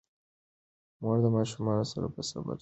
مور د ماشومانو سره په صبر چلند کوي.